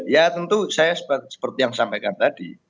ya tentu saya seperti yang sampaikan tadi